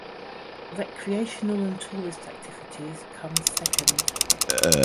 Recreational and tourist activities come second.